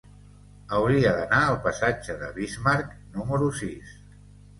Hauria d'anar al passatge de Bismarck número sis.